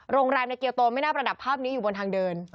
โรงแรมในเกียวโตไม่น่าประดับภาพนี้อยู่บนทางเดิน